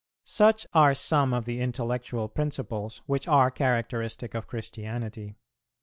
_ Such are some of the intellectual principles which are characteristic of Christianity.